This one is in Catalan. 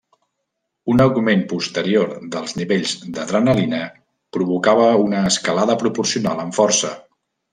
Un augment posterior dels nivells d'adrenalina provocava una escalada proporcional en força.